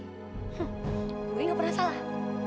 gue gak pernah salah